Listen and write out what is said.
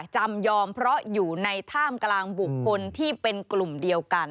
จำยอมเพราะอยู่ในท่ามกลางบุคคลที่เป็นกลุ่มเดียวกัน